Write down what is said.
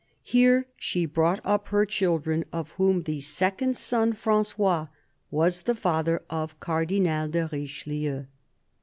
Here she brought up her children, of whom the second son, Francois, was the father of Cardinal de Richelieu.